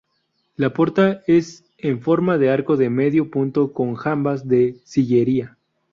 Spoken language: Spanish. La puerta es en forma de arco de medio punto con jambas de sillería.